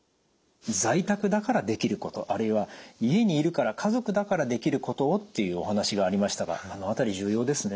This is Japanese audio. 在宅だからできることあるいは家にいるから家族だからできることをっていうお話がありましたがあの辺り重要ですね。